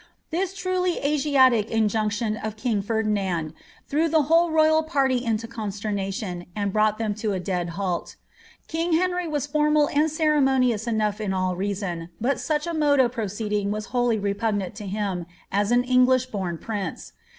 This truly Asiatic injunction of king Ferdinand threw the whole royal party into consternation, and brought them to a dead halL King Henry was formal and ceremonious enough in all reason, but such a mode of proceeding was wholly repugnant to him as an English bom prince.